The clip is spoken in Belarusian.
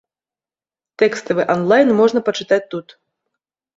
Тэкставы анлайн можна пачытаць тут.